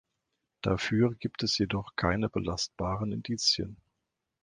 Dafür gibt es jedoch keine belastbaren Indizien.